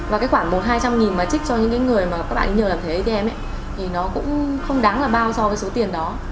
và cái khoản một hai trăm linh mà trích cho những người mà các bạn nhờ làm thẻ atm thì nó cũng không đáng là bao so với số tiền đó